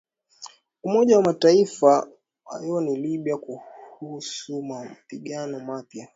Umoja wa Mataifa waionya Libya kuhusu mapigano mapya